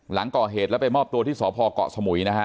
หลังก่อเหตุแล้วไปมอบตัวที่สพเกาะสมุยนะฮะ